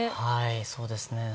そうですね。